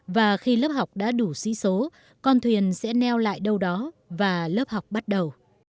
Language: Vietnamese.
và khi lớp học đã đủ sĩ số con thuyền sẽ neo lại đâu đó và lớp học bắt đầu